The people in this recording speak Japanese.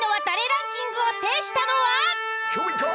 ランキングを制したのは。